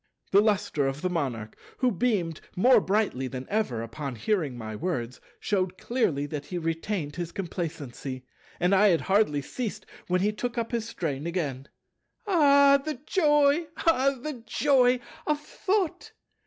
The lustre of the Monarch, who beamed more brightly than ever upon hearing my words, shewed clearly that he retained his complacency; and I had hardly ceased when he took up his strain again. "Ah, the joy, ah, the joy of Thought!